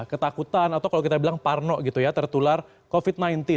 ketakutan atau kalau kita bilang parno gitu ya tertular covid sembilan belas